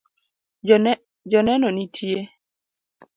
Joneno nitie